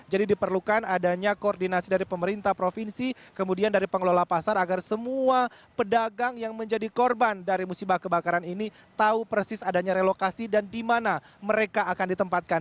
jadi diperlukan adanya koordinasi dari pemerintah provinsi kemudian dari pengelola pasar agar semua pedagang yang menjadi korban dari musibah kebakaran ini tahu persis adanya relokasi dan di mana mereka akan ditempatkan